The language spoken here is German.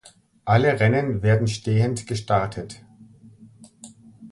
Alle Rennen werden stehend gestartet.